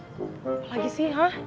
apa lagi sih hah